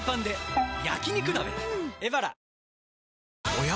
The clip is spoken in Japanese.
おや？